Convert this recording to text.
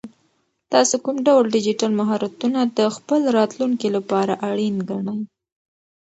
تاسو کوم ډول ډیجیټل مهارتونه د خپل راتلونکي لپاره اړین ګڼئ؟